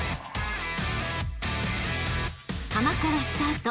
［浜からスタート］